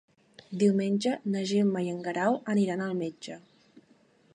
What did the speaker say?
Diumenge na Gemma i en Guerau aniran al metge.